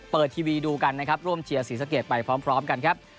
ทีวีดูกันนะครับร่วมเชียร์ศรีสะเกดไปพร้อมกันครับ